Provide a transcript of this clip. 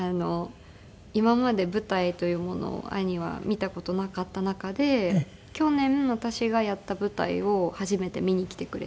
今まで舞台というものを兄は見た事なかった中で去年私がやった舞台を初めて見に来てくれて。